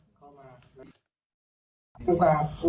อุกอาดเกิดกุฏิก็มีภาพสามณ์ในจังหวัดอยู่